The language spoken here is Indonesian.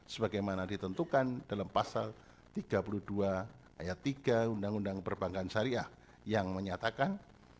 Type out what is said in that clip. sebagaimana ditentukan dalam pasal tiga puluh dua ayat tiga undang undang perbankan syariah yang menyatakan